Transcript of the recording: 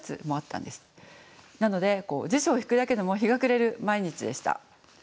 なので辞書を引くだけでも日が暮れる毎日でした。